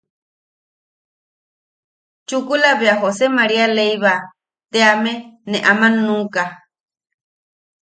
Chukula bea José María Leyva teame nee aman nuʼuka.